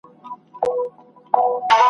زړه ښځه وه یوازي اوسېدله ,